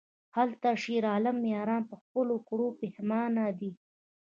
هلته د شیرعالم یاران په خپلو کړو پښیمانه دي...